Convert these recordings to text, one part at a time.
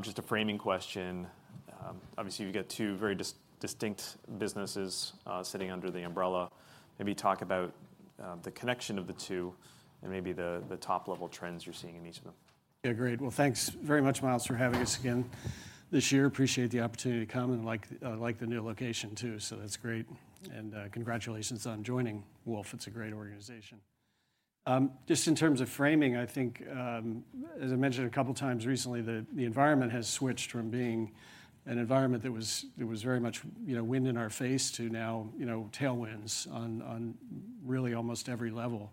Just a framing question. Obviously, you've got two very distinct businesses, sitting under the umbrella. Maybe talk about the connection of the two and maybe the top-level trends you're seeing in each of them. Yeah, great. Well, thanks very much, Miles, for having us again this year. Appreciate the opportunity to come, and like the new location too, so that's great, and congratulations on joining Wolfe. It's a great organization. Just in terms of framing, I think, as I mentioned a couple of times recently, the environment has switched from being an environment that was very much, you know, wind in our face to now, you know, tailwinds on really almost every level.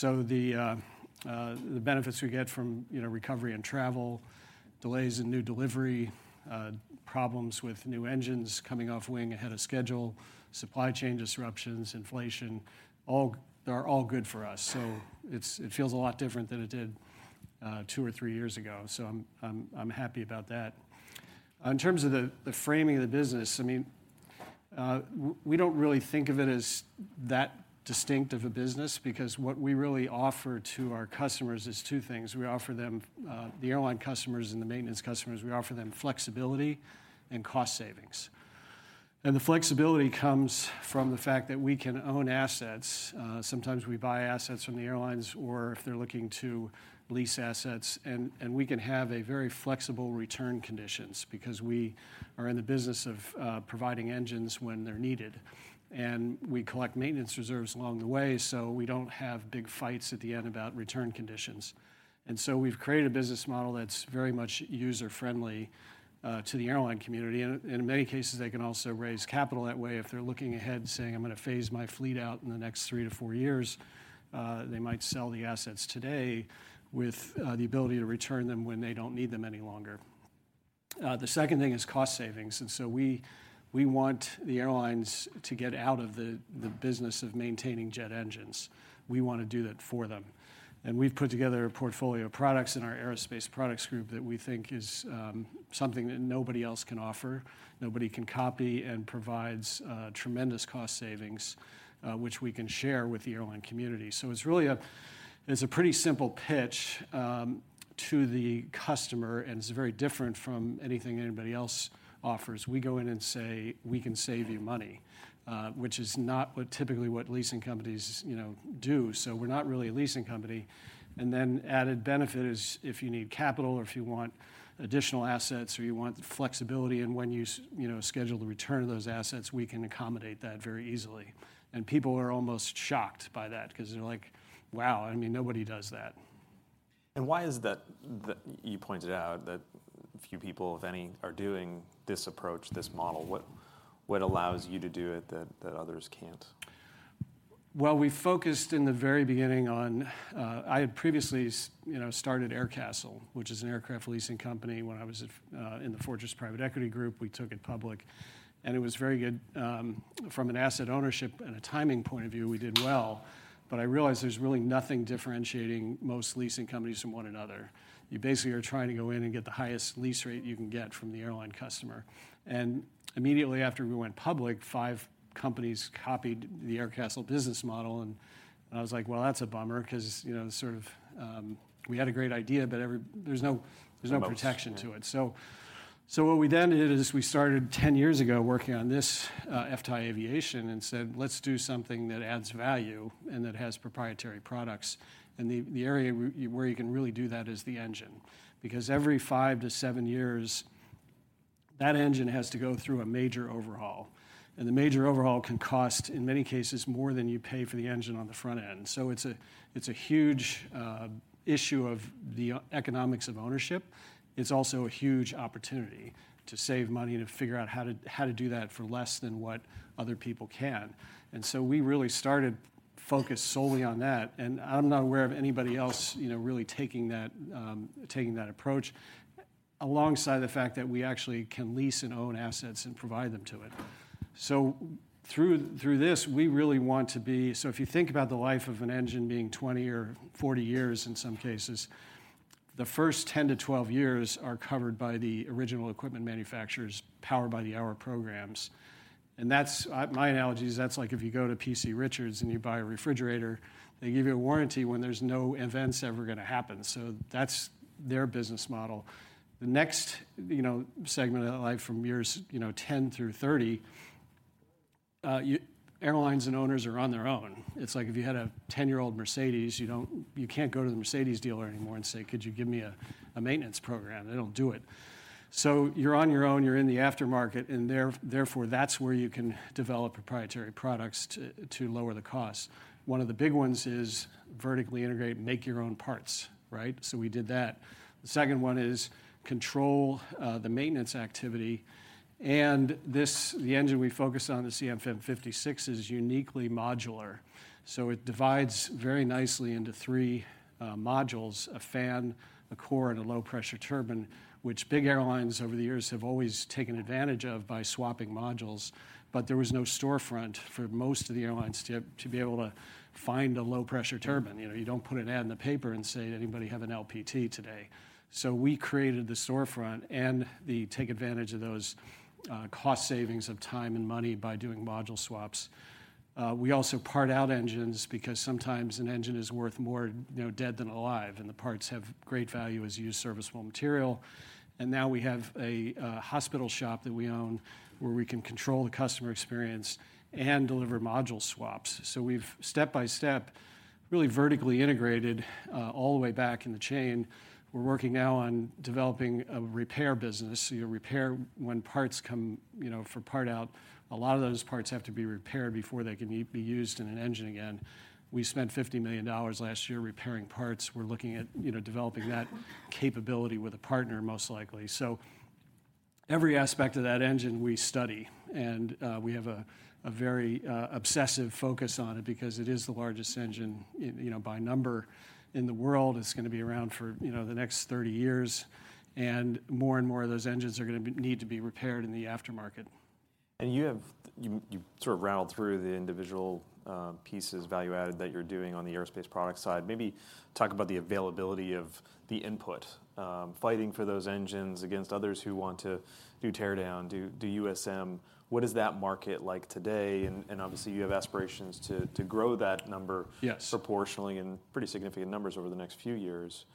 The benefits we get from, you know, recovery and travel, delays in new delivery, problems with new engines coming off wing ahead of schedule, supply chain disruptions, inflation. They are all good for us. It feels a lot different than it did two or three years ago, so I'm happy about that. In terms of the framing of the business, I mean, we don't really think of it as that distinct of a business because what we really offer to our customers is two things. We offer them, the airline customers and the maintenance customers, we offer them flexibility and cost savings. The flexibility comes from the fact that we can own assets. Sometimes we buy assets from the airlines, or if they're looking to lease assets, and we can have a very flexible return conditions because we are in the business of providing engines when they're needed. We collect maintenance reserves along the way, so we don't have big fights at the end about return conditions. We've created a business model that's very much user-friendly to the airline community. In many cases, they can also raise capital that way if they're looking ahead and saying, "I'm gonna phase my fleet out in the next three to four years," they might sell the assets today with the ability to return them when they don't need them any longer. The second thing is cost savings. We want the airlines to get out of the business of maintaining jet engines. We wanna do that for them. We've put together a portfolio of products in our Aerospace Products group that we think is something that nobody else can offer, nobody can copy, and provides tremendous cost savings, which we can share with the airline community. It's really a pretty simple pitch to the customer, and it's very different from anything anybody else offers. We go in and say, "We can save you money," which is not what typically what leasing companies, you know, do. We're not really a leasing company. Then added benefit is if you need capital or if you want additional assets or you want the flexibility in when you know, schedule the return of those assets, we can accommodate that very easily. People are almost shocked by that 'cause they're like, "Wow, I mean, nobody does that. Why is that? You pointed out that few people, if any, are doing this approach, this model. What allows you to do it that others can't? Well, we focused in the very beginning on. I had previously you know, started Aircastle, which is an aircraft leasing company, when I was at, in the Fortress private equity group. We took it public, and it was very good. From an asset ownership and a timing point of view, we did well, but I realized there's really nothing differentiating most leasing companies from one another. You basically are trying to go in and get the highest lease rate you can get from the airline customer and immediately after we went public, five companies copied the Aircastle business model, and I was like, "Well, that's a bummer," 'cause, you know, sort of, we had a great idea, but there's no, there's no protection to it. What we then did is we started 10 years ago working on this FTAI Aviation, and said, "Let's do something that adds value and that has proprietary products." The area where you can really do that is the engine. Every five to years years, that engine has to go through a major overhaul, and the major overhaul can cost, in many cases, more than you pay for the engine on the front end. It's a huge issue of the economics of ownership. It's also a huge opportunity to save money and to figure out how to do that for less than what other people can. We really started focused solely on that, and I'm not aware of anybody else, you know, really taking that, taking that approach, alongside the fact that we actually can lease and own assets and provide them to it. Through this, we really want to be. If you think about the life of an engine being 20 or 40 years, in some cases, the first 10 to 12 years are covered by the original equipment manufacturer's Power by the Hour programs, and that's. My analogy is that's like if you go to P.C. Richard & Son and you buy a refrigerator, they give you a warranty when there's no events ever gonna happen. That's their business model. The next, you know, segment of that life from years, you know, 10 through 30, airlines and owners are on their own. It's like if you had a 10-year-old Mercedes, you can't go to the Mercedes dealer anymore and say, "Could you give me a maintenance program?" They don't do it. You're on your own, you're in the aftermarket, and therefore, that's where you can develop proprietary products to lower the cost. One of the big ones is vertically integrate, make your own parts, right? We did that. The second one is control the maintenance activity, and this, the engine we focus on, the CFM56, is uniquely modular, so it divides very nicely into three modules: a fan, a core, and a low-pressure turbine, which big airlines over the years have always taken advantage of by swapping modules, but there was no storefront for most of the airlines to be able to find a low-pressure turbine. You know, you don't put an ad in the paper and say, "Anybody have an LPT today?" We created the storefront and take advantage of those cost savings of time and money by doing module swaps. We also part out engines because sometimes an engine is worth more, you know, dead than alive, and the parts have great value as Used Serviceable Material. Now we have a Hospital Shop that we own, where we can control the customer experience and deliver module swaps. We've step by step, really vertically integrated all the way back in the chain. We're working now on developing a repair business. You know, repair when parts come, you know, for part out, a lot of those parts have to be repaired before they can be used in an engine again. We spent $50 million last year repairing parts. We're looking at, you know, developing that capability with a partner, most likely. Every aspect of that engine we study. We have a very obsessive focus on it because it is the largest engine in, you know, by number in the world. It's gonna be around for, you know, the next 30 years. More and more of those engines need to be repaired in the aftermarket. You sort of rattled through the individual pieces, value added, that you're doing on the aerospace product side. Maybe talk about the availability of the input, fighting for those engines against others who want to do tear down, do USM. What is that market like today? Obviously, you have aspirations to grow that number. Yes Proportionally in pretty significant numbers over the next few years.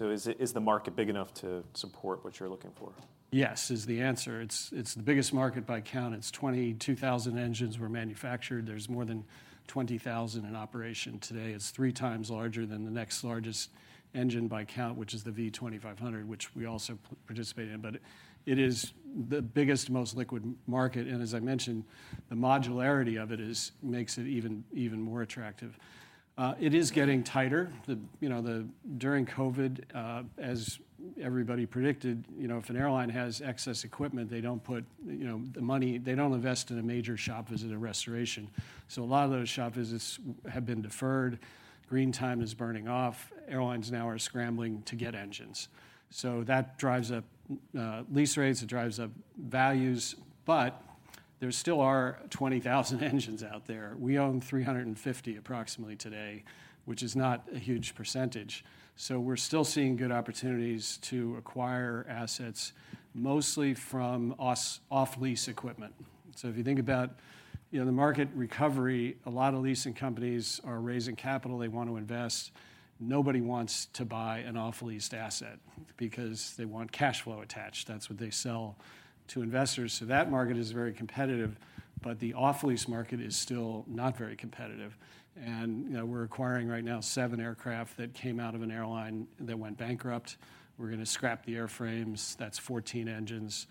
Is the market big enough to support what you're looking for? Yes, is the answer. It's the biggest market by count. 22,000 engines were manufactured. There's more than 20,000 in operation today. It's 3x larger than the next largest engine by count, which is the V2500, which we also participate in. It is the biggest, most liquid market, and as I mentioned, the modularity of it makes it even more attractive. It is getting tighter. You know, during COVID, as everybody predicted, you know, if an airline has excess equipment, they don't put, you know, they don't invest in a major shop visit or restoration. A lot of those shop visits have been deferred. Green time is burning off. Airlines now are scrambling to get engines. That drives up lease rates, it drives up values, but there still are 20,000 engines out there. We own 350 approximately today, which is not a huge percentage. We're still seeing good opportunities to acquire assets, mostly from off-lease equipment. If you think about, you know, the market recovery, a lot of leasing companies are raising capital, they want to invest. Nobody wants to buy an off-leased asset because they want cash flow attached. That's what they sell to investors. That market is very competitive, but the off-lease market is still not very competitive. You know, we're acquiring right now seven aircraft that came out of an airline that went bankrupt. We're gonna scrap the airframes. That's 14 engines.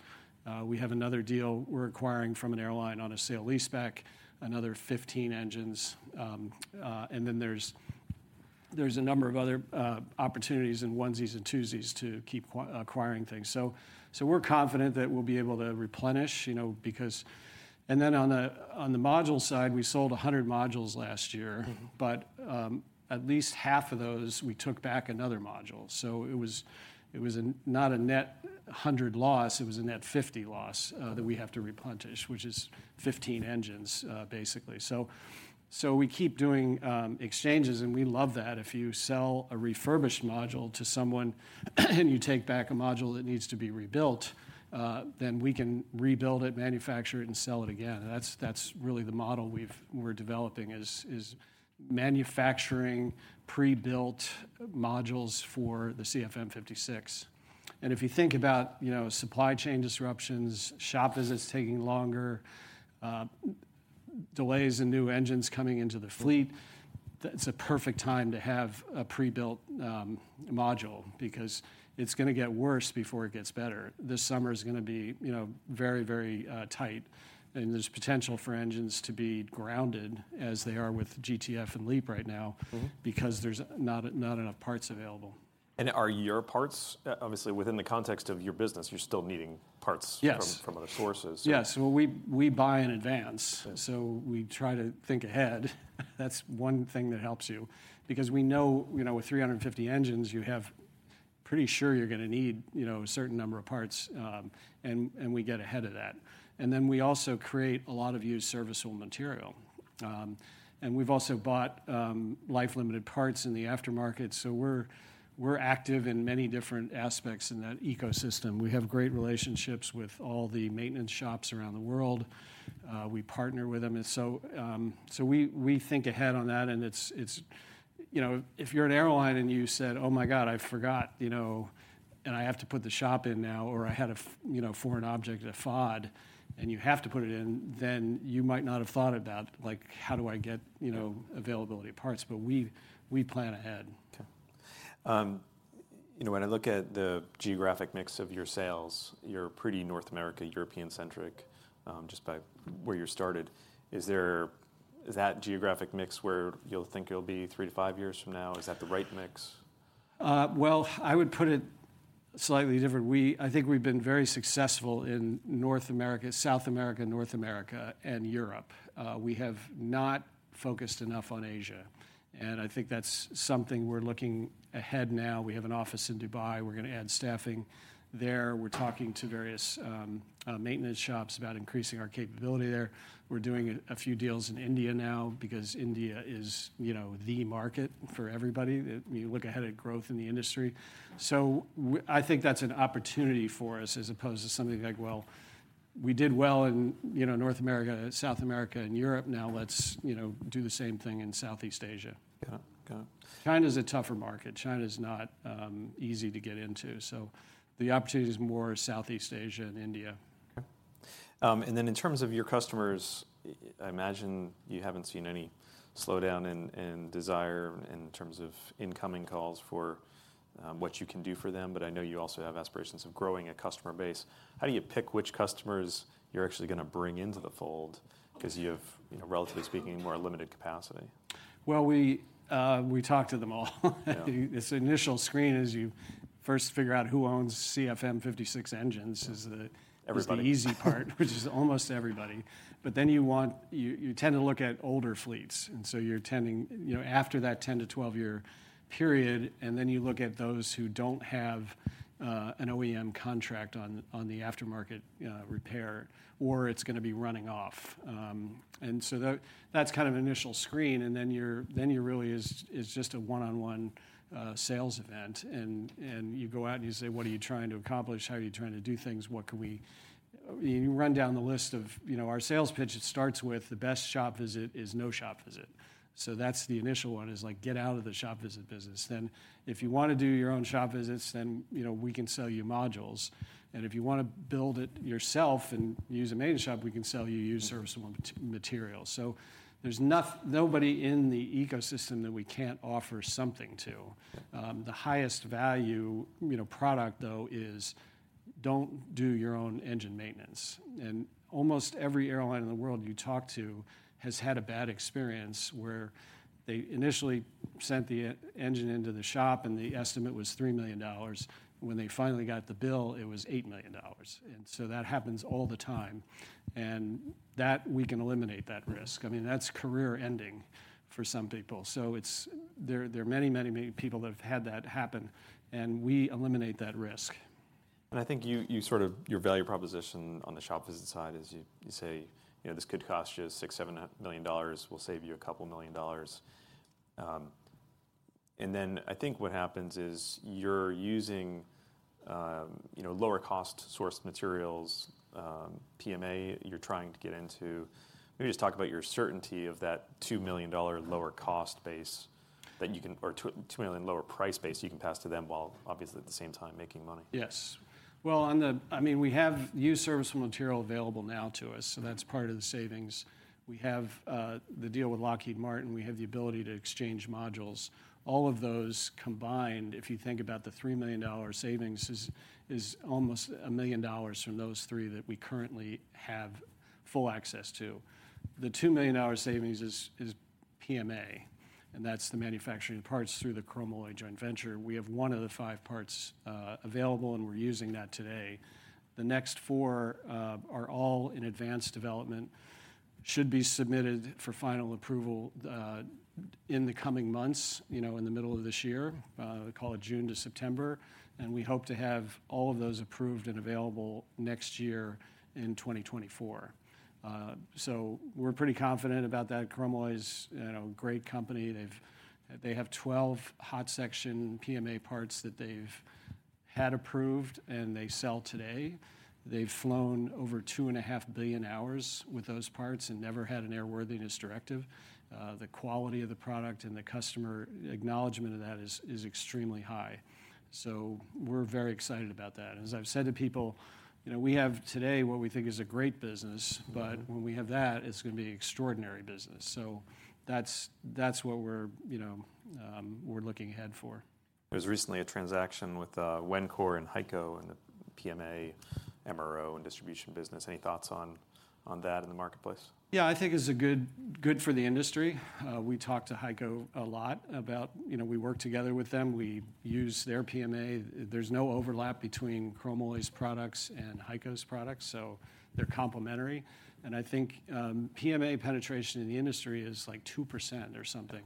We have another deal we're acquiring from an airline on a sale-leaseback, another 15 engines. There's a number of other opportunities in onesies and twosies to keep acquiring things. We're confident that we'll be able to replenish, you know, because on the module side, we sold 100 modules last year. Mm-hmm. At least half of those, we took back another module. It was not a net 100 loss, it was a net 50 loss that we have to replenish, which is 15 engines, basically. We keep doing exchanges, and we love that. If you sell a refurbished module to someone and you take back a module that needs to be rebuilt, then we can rebuild it, manufacture it, and sell it again. That's really the model we're developing, is manufacturing pre-built modules for the CFM56. If you think about, you know, supply chain disruptions, shop visits taking longer, delays in new engines coming into the fleet, it's a perfect time to have a pre-built module because it's gonna get worse before it gets better. This summer is gonna be, you know, very, very, tight. There's potential for engines to be grounded as they are with GTF and LEAP right now. Mm-hmm because there's not enough parts available. Are your parts, obviously, within the context of your business, you're still needing parts? Yes From other sources? Yes. Well, we buy in advance- Yes We try to think ahead. That's one thing that helps you because we know, you know, with 350 engines, pretty sure you're gonna need, you know, a certain number of parts, and we get ahead of that. Then we also create a lot of Used Serviceable Material. We've also bought life-limited parts in the aftermarket, so we're active in many different aspects in that ecosystem. We have great relationships with all the maintenance shops around the world. We partner with them, and so we think ahead on that, and it's you know, if you're an airline and you said, "Oh, my God, I forgot, you know, and I have to put the shop in now," or, "I had a you know, foreign object, a FOD," and you have to put it in, then you might not have thought about, like, how do I get, you know, availability of parts? We, we plan ahead. Okay. You know, when I look at the geographic mix of your sales, you're pretty North America, European-centric, just by where you started. Is that geographic mix where you'll think it'll be three to five years from now? Is that the right mix? Well, I would put it slightly different. I think we've been very successful in North America, South America, North America, and Europe. We have not focused enough on Asia, and I think that's something we're looking ahead now. We have an office in Dubai. We're gonna add staffing there. We're talking to various maintenance shops about increasing our capability there. We're doing a few deals in India now because India is, you know, the market for everybody. You look ahead at growth in the industry. I think that's an opportunity for us, as opposed to something like, well, we did well in, you know, North America, South America, and Europe, now let's, you know, do the same thing in Southeast Asia. Got it. Got it. China's a tougher market. China's not easy to get into. The opportunity is more Southeast Asia and India. Okay. Then in terms of your customers, I imagine you haven't seen any slowdown in desire in terms of incoming calls for what you can do for them, I know you also have aspirations of growing a customer base. How do you pick which customers you're actually gonna bring into the fold? You have, you know, relatively speaking, more limited capacity. Well, we talk to them all. Yeah. This initial screen is you first figure out who owns CFM56 engines. Everybody. Is the easy part, which is almost everybody. you tend to look at older fleets, you're tending, you know, after that 10-12-year period, then you look at those who don't have an OEM contract on the aftermarket repair, or it's gonna be running off. that's kind of initial screen, then you're really just a one-on-one sales event, you go out and you say: "What are you trying to accomplish? How are you trying to do things? What can we? You run down the list of You know, our sales pitch, it starts with, the best shop visit is no shop visit. That's the initial one, is like, get out of the shop visit business. If you want to do your own shop visits, then, you know, we can sell you modules. If you want to build it yourself and use a maintenance shop, we can sell you Used Serviceable Material. There's nobody in the ecosystem that we can't offer something to. The highest value, you know, product, though, is, don't do your own engine maintenance. Almost every airline in the world you talk to has had a bad experience where they initially sent the engine into the shop, and the estimate was $3 million. When they finally got the bill, it was $8 million. That happens all the time, and that, we can eliminate that risk. I mean, that's career-ending for some people. There are many, many, many people that have had that happen, and we eliminate that risk. I think you sort of your value proposition on the shop visit side is you say, "You know, this could cost you $6 million-$7 million. We'll save you a couple of million dollars." Then I think what happens is, you're using, you know, lower-cost source materials, PMA, you're trying to get into. Maybe just talk about your certainty of that $2 million lower cost base that you can or $2 million lower price base you can pass to them while, obviously, at the same time, making money. Yes. Well, I mean, we have Used Serviceable Material available now to us, so that's part of the savings. We have the deal with Lockheed Martin, we have the ability to exchange modules. All of those combined, if you think about the $3 million savings, is almost $1 million from those three that we currently have full access to. The $2 million savings is PMA, that's the manufacturing parts through the Chromalloy joint venture. We have one of the five parts available, and we're using that today. The next four are all in advanced development. Should be submitted for final approval in the coming months, you know, in the middle of this year, call it June to September, and we hope to have all of those approved and available next year in 2024. We're pretty confident about that. Chromalloy is, you know, a great company. They have 12 hot section PMA parts that they've had approved, and they sell today. They've flown over 2.5 billion hours with those parts and never had an airworthiness directive. The quality of the product and the customer acknowledgement of that is extremely high. We're very excited about that. As I've said to people, you know, we have, today, what we think is a great business, when we have that, it's gonna be extraordinary business. That's what we're, you know, we're looking ahead for. There was recently a transaction with Wencor and HEICO in the PMA, MRO, and distribution business. Any thoughts on that in the marketplace? Yeah, I think it's a good for the industry. We talked to HEICO a lot. You know, we work together with them. We use their PMA. There's no overlap between Chromalloy's products and HEICO's products, so they're complementary. I think PMA penetration in the industry is, like, 2% or something.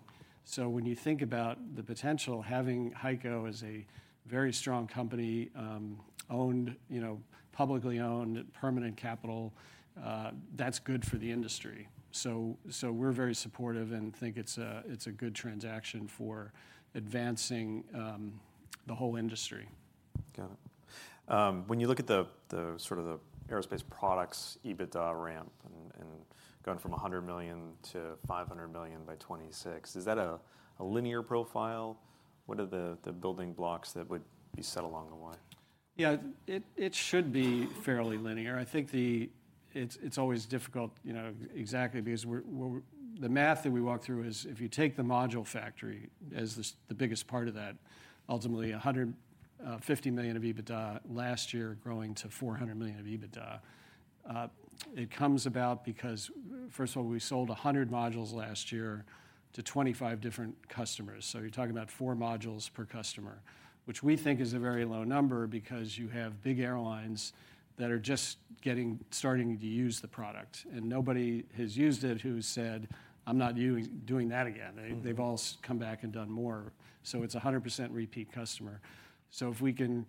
When you think about the potential, having HEICO as a very strong company, you know, publicly owned, permanent capital, that's good for the industry. We're very supportive and think it's a good transaction for advancing the whole industry. Got it. When you look at the sort of the Aerospace Products, EBITDA ramp and going from $100 million to $500 million by 2026, is that a linear profile? What are the building blocks that would be set along the way? Yeah, it should be fairly linear. I think it's always difficult, you know, exactly, because we're the math that we walk through is, if you take the module factory as the biggest part of that, ultimately $150 million of EBITDA last year growing to $400 million of EBITDA. It comes about because, first of all, we sold 100 modules last year to 25 different customers. You're talking about four modules per customer, which we think is a very low number because you have big airlines that are just starting to use the product, and nobody has used it who's said, "I'm not doing that again. Mm-hmm. They've all come back and done more, so it's 100% repeat customer. If we can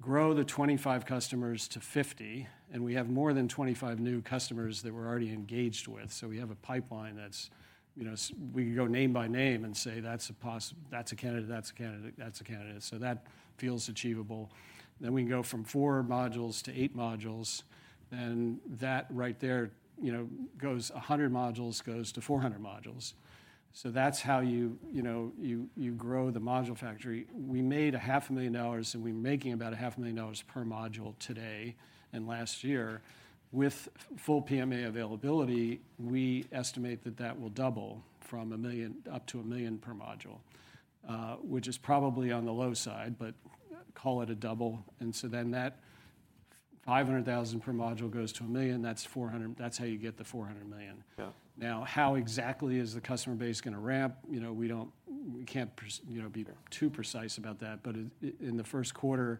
grow the 25 customers to 50, and we have more than 25 new customers that we're already engaged with, we have a pipeline that's, you know, we can go name by name and say, "That's a candidate, that's a candidate, that's a candidate," so that feels achievable. We can go from four modules to eight modules, and that right there, you know, 100 modules goes to 400 modules. That's how you know, you grow the module factory. We made $500,000, and we're making about $500,000 per module today and last year. With full PMA availability, we estimate that that will double up to $1 million per module, which is probably on the low side, but call it a double, and so then $500,000 per module goes to $1 million, that's how you get the $400 million. Yeah. How exactly is the customer base gonna ramp? You know, we don't, we can't you know, be too precise about that. It in the Q1,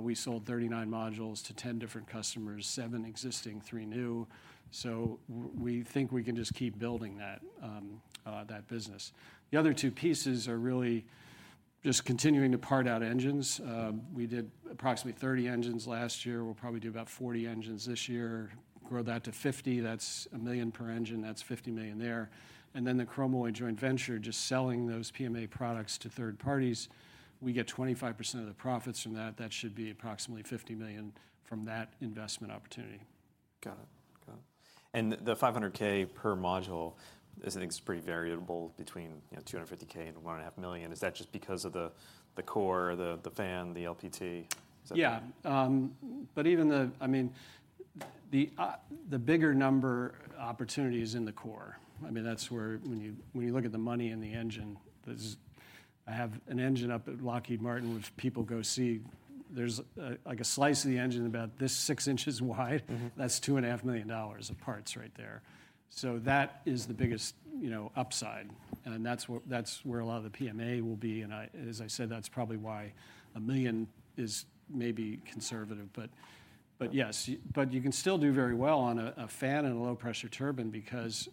we sold 39 modules to 10 different customers, seven existing, three new. We think we can just keep building that business. The other two pieces are really just continuing to part out engines. We did approximately 30 engines last year. We'll probably do about 40 engines this year. Grow that to 50, that's a $1 million per engine, that's $50 million there. The Chromalloy joint venture, just selling those PMA products to third parties, we get 25% of the profits from that. That should be approximately $50 million from that investment opportunity. Got it. Got it. The $500K per module is, I think, pretty variable between, you know, $250K and $1.5 million. Is that just because of the core, the fan, the LPT? Yeah. Even the, I mean, the bigger number opportunity is in the core. I mean, that's where when you, when you look at the money in the engine, I have an engine up at Lockheed Martin, which people go see. There's a, like, a slice of the engine about this, six inches wide. Mm-hmm. That's $2.5 million of parts right there. That is the biggest, you know, upside, and that's where a lot of the PMA will be, as I said, that's probably why $1 million is maybe conservative. Yes. Yeah You can still do very well on a fan and a low-pressure turbine, because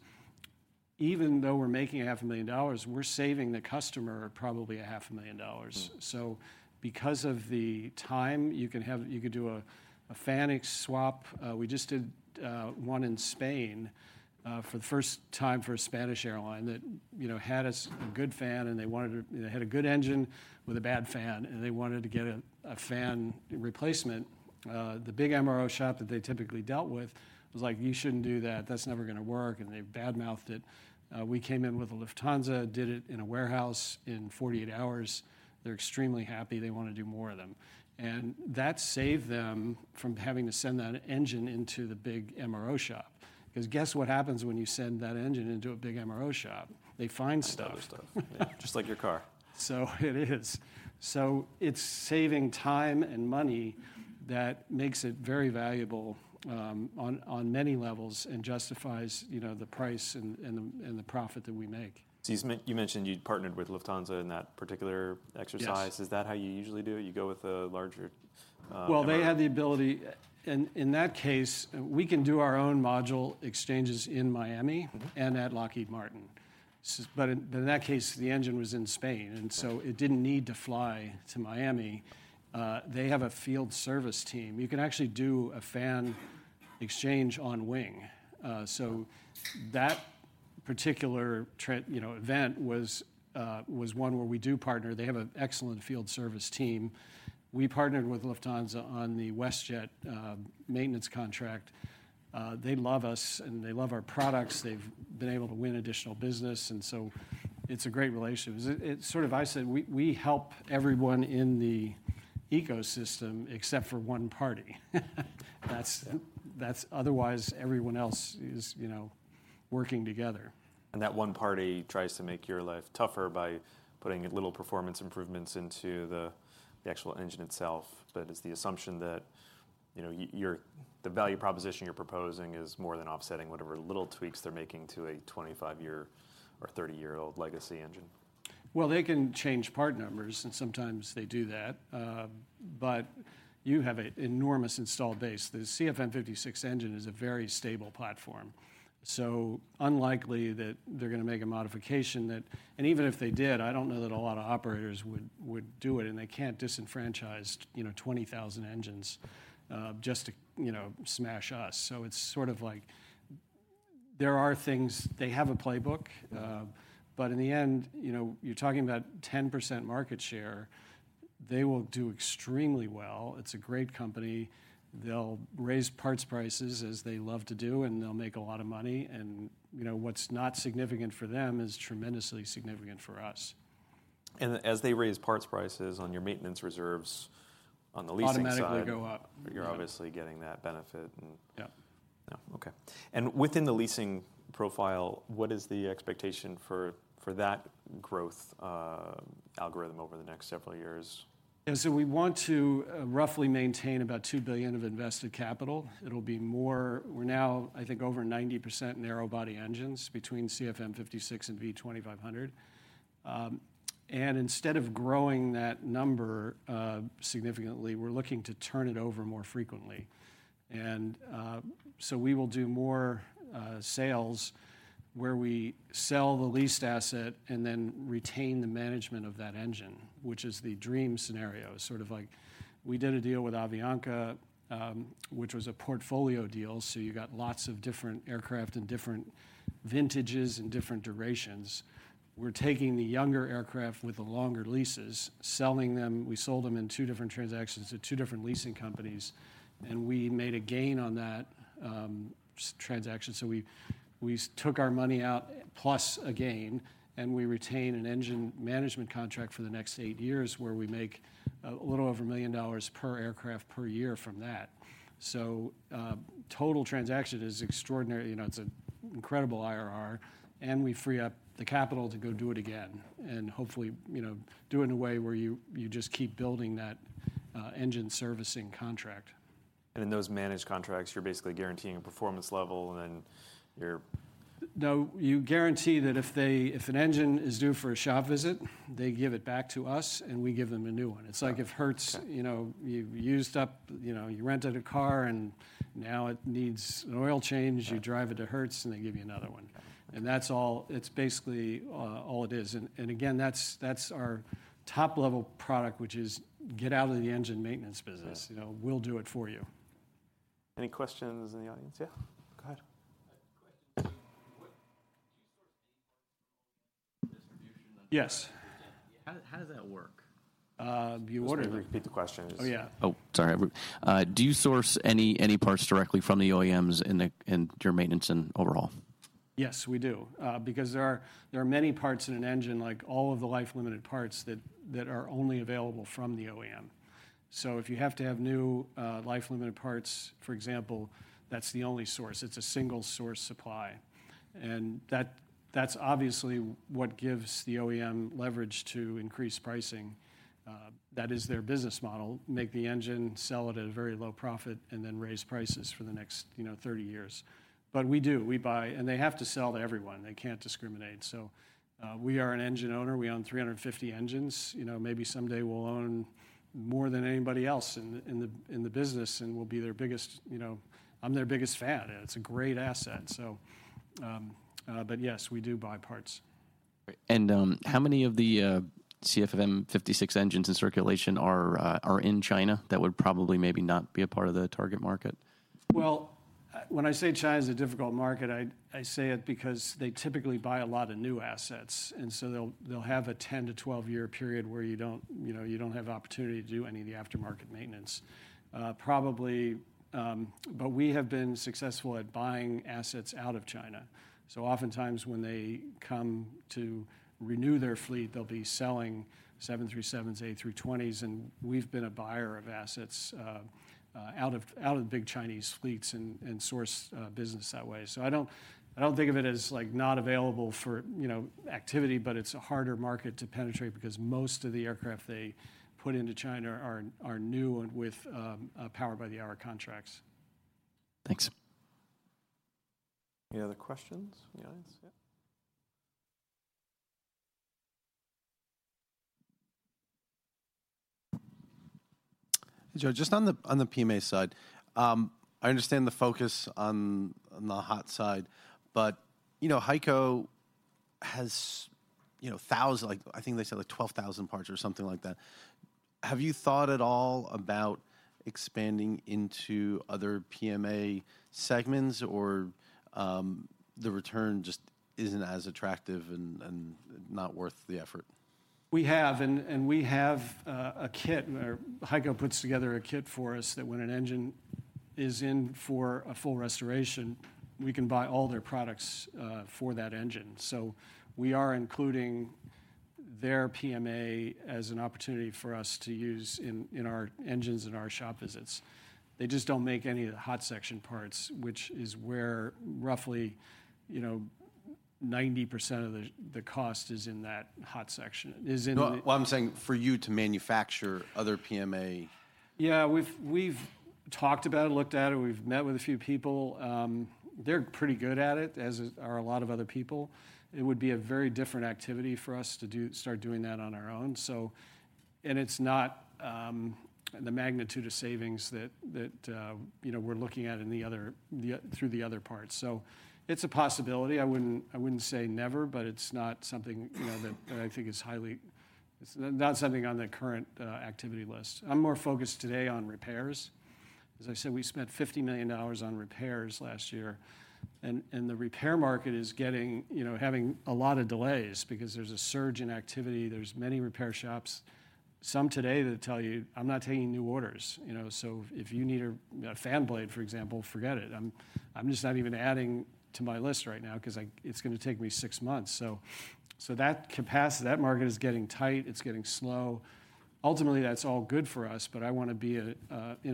even though we're making $500,000, we're saving the customer probably $500,000. Hmm. Because of the time, you could do a Phoenix swap. We just did one in Spain for the first time for a Spanish airline that, you know, had a good fan, and they had a good engine with a bad fan, and they wanted to get a fan replacement. The big MRO shop that they typically dealt with was like: "You shouldn't do that. That's never gonna work," and they badmouthed it. We came in with Lufthansa, did it in a warehouse in 48 hours. They're extremely happy. They want to do more of them. That saved them from having to send that engine into the big MRO shop, 'cause guess what happens when you send that engine into a big MRO shop? They find stuff. Other stuff. Yeah, just like your car. It is. It's saving time and money that makes it very valuable, on many levels, and justifies, you know, the price and the profit that we make. You mentioned you'd partnered with Lufthansa in that particular exercise. Yes. Is that how you usually do it? You go with a larger, MRO? Well, they had the ability. In that case, we can do our own module exchanges in Miami. Mm-hmm And at Lockheed Martin. But in that case, the engine was in Spain it didn't need to fly to Miami. They have a field service team. You can actually do a fan exchange on wing. That particular you know, event was one where we do partner. They have an excellent field service team. We partnered with Lufthansa on the WestJet, maintenance contract. They love us, and they love our products. They've been able to win additional business. It's a great relationship. It sort of I said we help everyone in the ecosystem except for one party. That's otherwise everyone else is, you know, working together. That one party tries to make your life tougher by putting little performance improvements into the actual engine itself. It's the assumption that, you know, your, the value proposition you're proposing is more than offsetting whatever little tweaks they're making to a 25-year or 30-year-old legacy engine. Well, they can change part numbers, and sometimes they do that, but you have an enormous installed base. The CFM56 engine is a very stable platform, so unlikely that they're gonna make a modification that. Even if they did, I don't know that a lot of operators would do it, and they can't disenfranchise, you know, 20,000 engines, just to, you know, smash us. It's sort of like, there are things they have a playbook, but in the end, you know, you're talking about 10% market share. They will do extremely well. It's a great company. They'll raise parts prices, as they love to do, and they'll make a lot of money, and, you know, what's not significant for them is tremendously significant for us. As they raise parts prices on your maintenance reserves, on the leasing side. Automatically go up. You're obviously getting that benefit? Yeah. Yeah. Okay. Within the leasing profile, what is the expectation for that growth algorithm over the next several years? We want to roughly maintain about $2 billion of invested capital. It'll be more. We're now, I think, over 90% narrow-body engines between CFM56 and V2500. Instead of growing that number significantly, we're looking to turn it over more frequently. We will do more sales where we sell the leased asset and then retain the management of that engine, which is the dream scenario. Sort of like we did a deal with Avianca, which was a portfolio deal, so you got lots of different aircraft and different vintages and different durations. We're taking the younger aircraft with the longer leases, selling them. We sold them in two different transactions to two different leasing companies, and we made a gain on that transaction. We took our money out, plus a gain, and we retain an engine management contract for the next eight years, where we make a little over $1 million per aircraft per year from that. Total transaction is extraordinary. You know, it's an incredible IRR, and we free up the capital to go do it again and hopefully, you know, do it in a way where you just keep building that engine servicing contract. In those managed contracts, you're basically guaranteeing a performance level, and then? You guarantee that if an engine is due for a shop visit, they give it back to us, and we give them a new one. It's like if Hertz, you know, you rented a car, and now it needs an oil change. You drive it to Hertz, and they give you another one. Yeah. That's all. It's basically all it is. Again, that's our top-level product, which is: Get out of the engine maintenance business. Yeah. You know, we'll do it for you. Any questions in the audience? Yeah, go ahead. Yes. How does that work? We. Just maybe repeat the question. Oh, yeah. Oh, sorry. Do you source any parts directly from the OEMs in your maintenance and overhaul? Yes, we do, because there are many parts in an engine, like all of the life-limited parts, that are only available from the OEM. If you have to have new life-limited parts, for example, that's the only source. It's a single-source supply, and that's obviously what gives the OEM leverage to increase pricing. That is their business model: Make the engine, sell it at a very low profit, and then raise prices for the next, you know, 30 years. We do. We buy and they have to sell to everyone. They can't discriminate. We are an engine owner. We own 350 engines. You know, maybe someday we'll own more than anybody else in the business, and we'll be their biggest, you know, I'm their biggest fan, and it's a great asset. Yes, we do buy parts. Great. How many of the CFM56 engines in circulation are in China that would probably maybe not be a part of the target market? Well, when I say China is a difficult market, I say it because they typically buy a lot of new assets. They'll have a 10 to 12-year period where you know, you don't have opportunity to do any of the aftermarket maintenance. We have been successful at buying assets out of China. Oftentimes, when they come to renew their fleet, they'll be selling 737s, A320s, and we've been a buyer of assets out of the big Chinese fleets and source business that way. I don't think of it as, like, not available for, you know, activity, but it's a harder market to penetrate because most of the aircraft they put into China are new and with Power by the Hour contracts. Thanks. Any other questions in the audience? Yeah. Joe, just on the PMA side, I understand the focus on the hot side, but, you know, HEICO has, you know, thousands, like, I think they sell, like, 12,000 parts or something like that. Have you thought at all about expanding into other PMA segments, or the return just isn't as attractive and not worth the effort? We have, and we have a kit, or HEICO puts together a kit for us that when an engine is in for a full restoration, we can buy all their products for that engine. We are including their PMA as an opportunity for us to use in our engines and our shop visits. They just don't make any of the hot section parts, which is where roughly, you know, 90% of the cost is in that hot section, is in the. No, what I'm saying, for you to manufacture other PMA. Yeah, we've talked about it, looked at it, we've met with a few people. They're pretty good at it, as are a lot of other people. It would be a very different activity for us to start doing that on our own, so. It's not the magnitude of savings that, you know, we're looking at in the other, through the other parts. It's a possibility. I wouldn't say never, but it's not something, you know, that I think is highly. It's not something on the current activity list. I'm more focused today on repairs. As I said, we spent $50 million on repairs last year, and the repair market is getting, you know, having a lot of delays because there's a surge in activity. There's many repair shops, some today that tell you, "I'm not taking new orders, you know, so if you need a fan blade, for example, forget it. I'm just not even adding to my list right now 'cause it's gonna take me six months." That capacity, that market is getting tight, it's getting slow. Ultimately, that's all good for us, but I wanna be in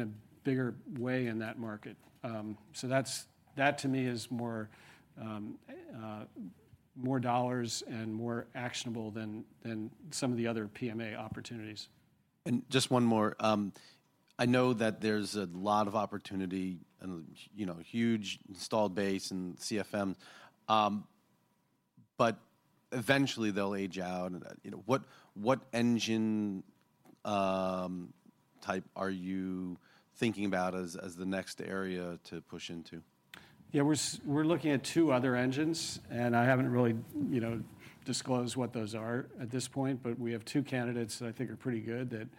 a bigger way in that market. That to me is more, more dollars and more actionable than some of the other PMA opportunities. Just one more. I know that there's a lot of opportunity and, you know, huge installed base in CFM, but eventually, they'll age out. You know, what engine type are you thinking about as the next area to push into? Yeah, we're looking at two other engines, and I haven't really, you know, disclosed what those are at this point. We have two candidates that I think are pretty good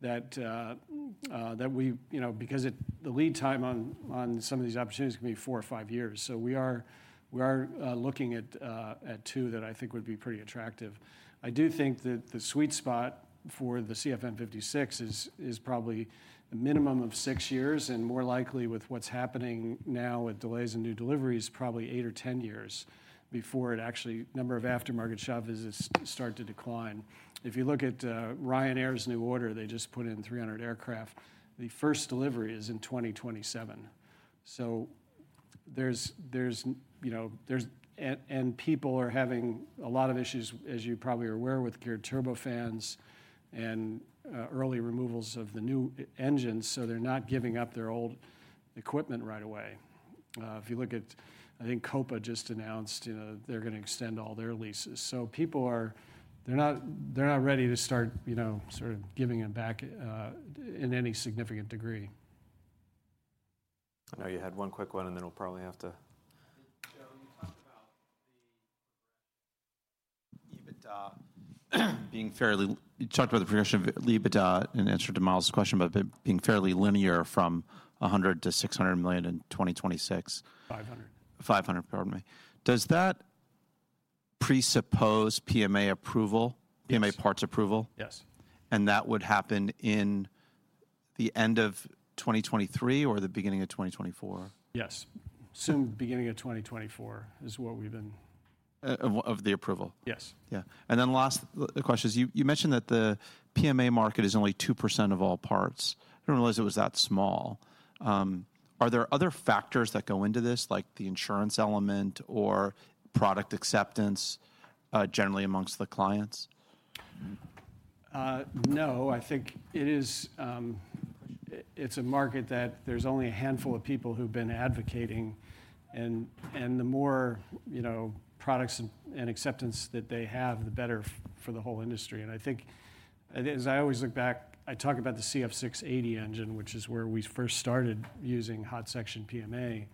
that we, you know, because the lead time on some of these opportunities can be four or five years. We are looking at two that I think would be pretty attractive. I do think that the sweet spot for the CFM56 is probably a minimum of six years, and more likely, with what's happening now with delays in new deliveries, probably eight or 10 years before it actually, number of aftermarket shop visits start to decline. If you look at Ryanair's new order, they just put in 300 aircraft. The first delivery is in 2027. There's, you know, people are having a lot of issues, as you probably are aware, with geared turbofans and early removals of the new e-engines. They're not giving up their old equipment right away. If you look at I think Copa just announced, you know, they're gonna extend all their leases. People are they're not ready to start, you know, sort of, giving them back in any significant degree. I know you had one quick one, and then we'll probably have to. Joe, you talked about the progression of EBITDA in answer to Miles' question, but being fairly linear from $100 million-$600 million in 2026. $500. 500, pardon me. Does that presuppose PMA approval? Yes. PMA parts approval? Yes. That would happen in the end of 2023 or the beginning of 2024? Yes. Soon, beginning of 2024 is what we've been. Of the approval? Yes. Yeah. Last question is, you mentioned that the PMA market is only 2% of all parts. I didn't realize it was that small. Are there other factors that go into this, like the insurance element or product acceptance, generally amongst the clients? No, I think it is, it's a market that there's only a handful of people who've been advocating, and the more, you know, products and acceptance that they have, the better for the whole industry. I think, I, as I always look back, I talk about the CF6-80 engine, which is where we first started using hot section PMA,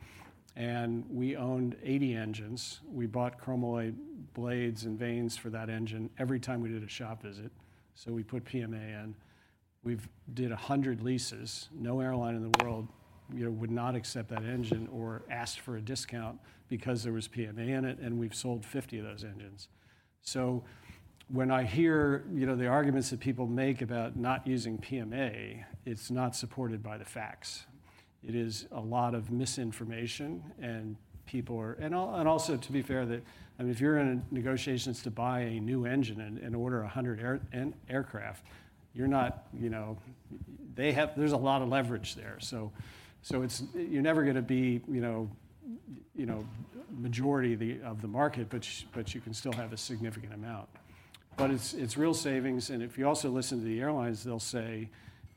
and we owned 80 engines. We bought Chromalloy blades and vanes for that engine every time we did a shop visit, so we put PMA in. We've did 100 leases. No airline in the world, you know, would not accept that engine or ask for a discount because there was PMA in it, and we've sold 50 of those engines. When I hear, you know, the arguments that people make about not using PMA, it's not supported by the facts. It is a lot of misinformation, and also, to be fair, that, I mean, if you're in negotiations to buy a new engine and order 100 aircraft, you're not, you know. There's a lot of leverage there. You're never gonna be, you know, majority the, of the market, but you can still have a significant amount. It's, it's real savings, and if you also listen to the airlines, they'll say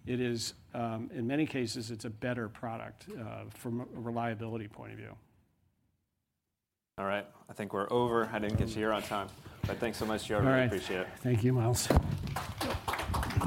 it is, in many cases, it's a better product, from a reliability point of view. All right. I think we're over. I didn't get you here on time. Thanks so much, Joe. All right. I appreciate it. Thank you, Miles.